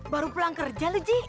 baru pulang kerja lu ji